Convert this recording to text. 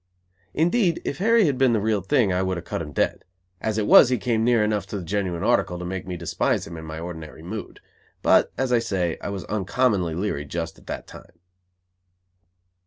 Indeed, if Harry had been the real thing I would have cut him dead; as it was he came near enough to the genuine article to make me despise him in my ordinary mood. But, as I say, I was uncommonly leary just at that time.